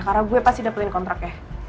karena gue pasti dapetin kontraknya